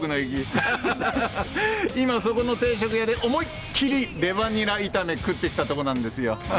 今そこの定食屋で思いっきりレバニラ炒め食ってきたとこなんですよ。